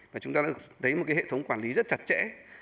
và chúng ta đã thấy một hệ thống quản lý rất chặt chẽ